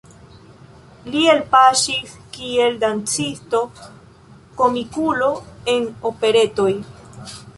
Li elpaŝis kiel dancisto-komikulo en operetoj.